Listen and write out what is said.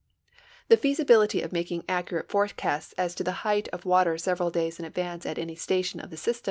The feasibility of making accurate forecasts as to the height of water several days in advance at any station of the S3'stem is NAT.